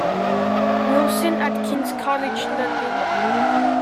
Wilson at King's College London.